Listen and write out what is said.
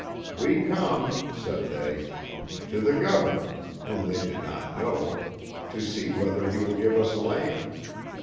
"We come," said they, "to the governor," whom they did not know, "to see whether he will give us land."